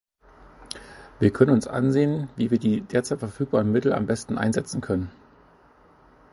Wir können uns ansehen, wie wir die derzeit verfügbaren Mittel am besten einsetzen können.